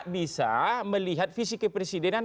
bisa melihat visi kepresidenan